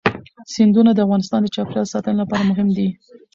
سیندونه د افغانستان د چاپیریال ساتنې لپاره مهم دي.